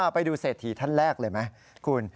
ไปดูเศรษฐีท่านแรกเลยไหมคุณ